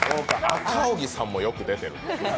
赤荻さんもよく出てる。